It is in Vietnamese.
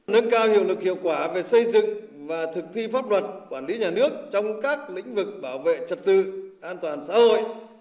nâng cao hiệu lực hiệu quả về xây dựng và thực thi pháp luật quản lý nhà nước trong các lĩnh vực bảo vệ trật tự an toàn xã hội